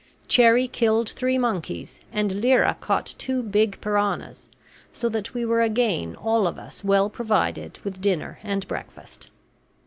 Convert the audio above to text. Cherrie killed three monkeys and Lyra caught two big piranhas, so that we were again all of us well provided with dinner and breakfast.